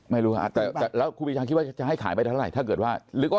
ไม่รู้ครับแล้วคุณผู้ชายคิดว่าจะให้ขายไปแล้วเท่าไหร่